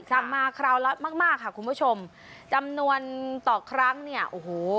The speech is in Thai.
สั่งมาคราวละมากมากค่ะคุณผู้ชมจำนวนต่อครั้งเนี่ยโอ้โห